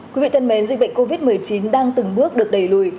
quý vị thân mến dịch bệnh covid một mươi chín đang từng bước được đẩy lùi